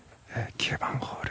９番ホール